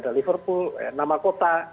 ada liverpool nama kota